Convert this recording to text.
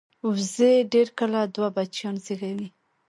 وزې ډېر کله دوه بچیان زېږوي